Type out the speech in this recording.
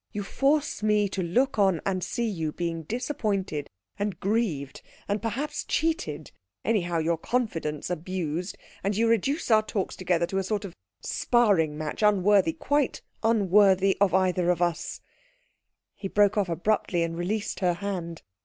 You force me to look on and see you being disappointed, and grieved, and perhaps cheated anyhow your confidence abused and you reduce our talks together to a sort of sparring match unworthy, quite unworthy of either of us " He broke off abruptly and released her hand.